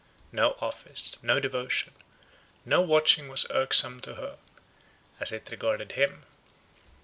No office, no devotion, no watching was irksome to her, as it regarded him.